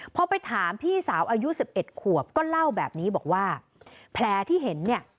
พอไปถามพี่สาวอายุ๑๑ขวบก็เล่าแบบนี้บอกว่าแผลที่เห็นเนี่ย